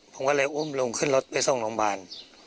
ผมก็เลยอุ้มลุงขึ้นรถส่งไปรองบาล